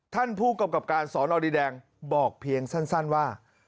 ท่านผู้กำกับการสอนอดินแดงบอกเพียงสั้นว่า